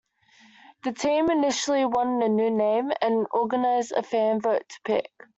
The team initially wanted a new name, and organized a fan vote to pick.